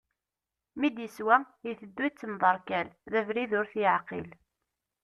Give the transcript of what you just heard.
Mi d-yeswa, iteddu yettemderkal, d abrid ur t-yeɛqil.